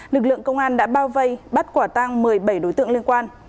lực lượng công an đã bao vây bắt quả tang một mươi bảy đối tượng liên quan